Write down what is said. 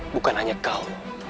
bukan hanya kau